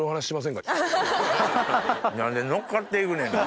何で乗っかっていくねん！